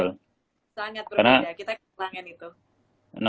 sangat berbeda kita kehilangan itu